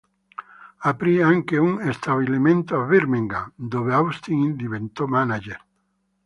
Aprì anche uno stabilimento a Birmingham, dove Austin diventò manager.